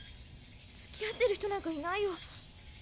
付き合ってる人なんかいないよ。